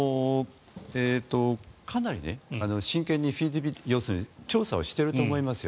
かなり真剣に調査をしていると思いますよ。